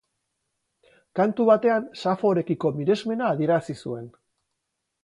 Kantu batean Saforekiko miresmena adierazi zuen.